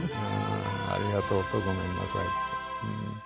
「ありがとう」と「ごめんなさい」。